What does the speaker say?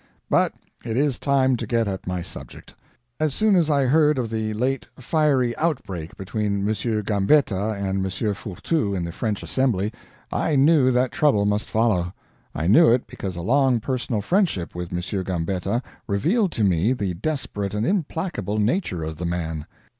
But it is time to get at my subject. As soon as I heard of the late fiery outbreak between M. Gambetta and M. Fourtou in the French Assembly, I knew that trouble must follow. I knew it because a long personal friendship with M. Gambetta revealed to me the desperate and implacable nature of the man.